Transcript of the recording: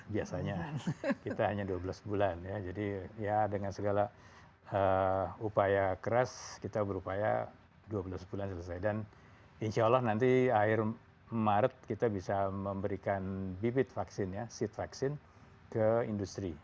biasanya kita hanya dua belas bulan ya jadi ya dengan segala upaya keras kita berupaya dua puluh sebulan selesai dan insya allah nanti akhir maret kita bisa memberikan bibit vaksin ya seat vaksin ke industri